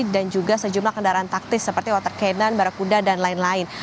dan juga sejumlah kendaraan taktis seperti water cannon barakuda dan lain lain